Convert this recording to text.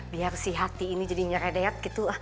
biar si hati ini jadi ngeredeyat gitu